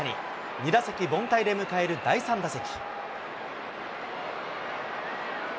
２打席凡退で迎える第３打席。